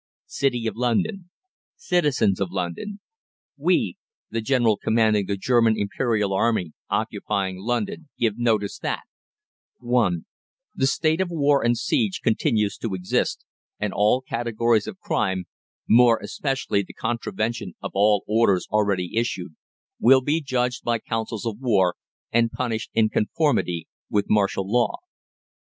CITY OF LONDON. CITIZENS OF LONDON. WE, the GENERAL COMMANDING the German Imperial Army occupying London, give notice that: (1) THE STATE OF WAR AND OF SIEGE continues to exist, and all categories of crime, more especially the contravention of all orders already issued, will be judged by Councils of War, and punished in conformity with martial law.